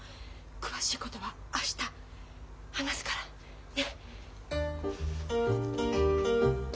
詳しいことは明日話すから。ね！